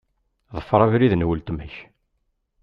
Ḍfeṛ abrid n weltma-k.